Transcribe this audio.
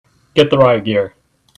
Get the riot gear!